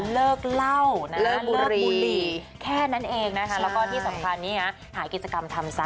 เลิกเหล้านะเลิกบุหรี่แค่นั้นเองนะคะแล้วก็ที่สำคัญนี้นะหากิจกรรมทำซะ